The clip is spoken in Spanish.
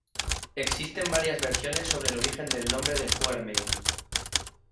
Existen varias versiones sobre el origen del nombre de Huarmey.